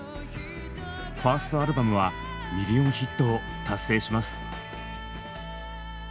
ファーストアルバムはミリオンヒットを達成します。